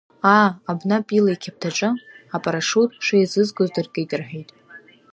Аа, абна Пила иқьаԥҭаҿы, апарашиут шеизигоз дыркит рҳәеит!